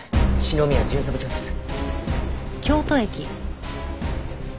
篠宮巡査部長です。